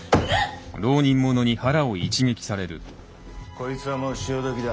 こいつはもう潮時だ。